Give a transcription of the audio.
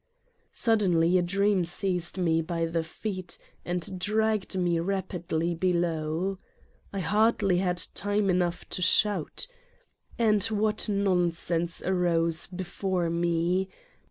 Suddenly a dream seized Me by the feet and dragged me rapidly below. I hardly had time enough to shout. And what nonsense arose be fore me